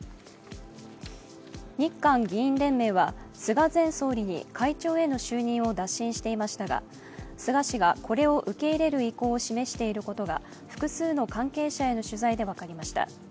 日韓議員連盟は、菅前総理に会長への就任を打診していましたが菅氏がこれを受け入れる意向を示していることが、複数の関係者への取材で分かりました。